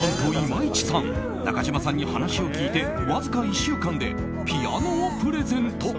何と、今市さん中島さんに話を聞いてわずか１週間でピアノをプレゼント。